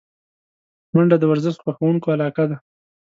منډه د ورزش خوښونکو علاقه ده